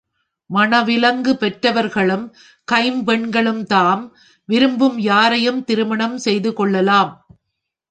மணவிலக்குப் பெற்றவர்களும், கைம்பெண்களும் தாம் விரும்பும் யாரையும் திருமணம் செய்து கொள்ளலாம்.